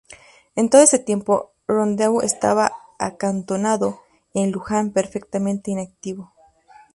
En todo este tiempo, Rondeau estaba acantonado en Luján, perfectamente inactivo.